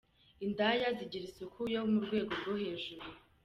Indaya zigira isuku yo mu rwego rwo hejuru.